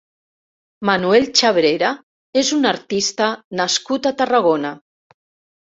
Manuel Chabrera és un artista nascut a Tarragona.